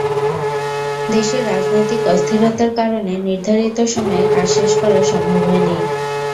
দেশের রাজনৈতিক অস্থিরতার কারণে নির্ধারিত সময়ে কাজ শেষ করা সম্ভব হয়নি।